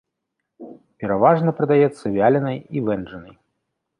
Пераважна прадаецца вяленай і вэнджанай.